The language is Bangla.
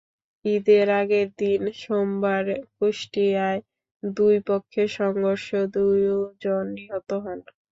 ঈদের আগের দিন সোমবার কুষ্টিয়ায় দুই পক্ষের সংঘর্ষে দুজন নিহত হন।